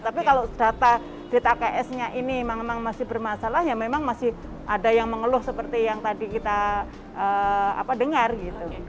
tapi kalau data dtks nya ini memang masih bermasalah ya memang masih ada yang mengeluh seperti yang tadi kita dengar gitu